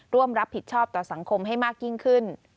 ร่วมรับผิดชอบต่อสังคมให้มากยิ่งขึ้น